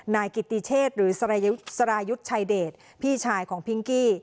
นายกิติเชษหรือสรายุทธ์ชายเดชพี่ชายของพิงกี้